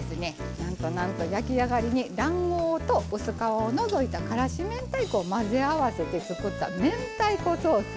なんとなんと焼き上がりに卵黄と薄皮を除いたからし明太子を混ぜ合わせて作った明太子ソース。